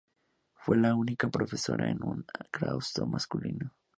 Fue la única profesora en un claustro masculino.